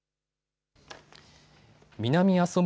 南阿蘇村